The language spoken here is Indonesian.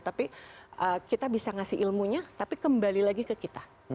tapi kita bisa ngasih ilmunya tapi kembali lagi ke kita